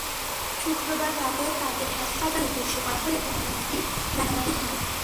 শুক্রবার রাতে তাঁদের সদর হাসপাতালে ভর্তি করা হলে ঘটনাটি জানাজানি হয়।